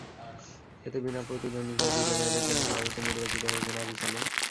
এতে বিনা প্রতিদ্বন্দ্বিতায় দ্বিতীয় মেয়াদের জন্য সভাপতি নির্বাচিত হয়েছেন আবু সালেহ।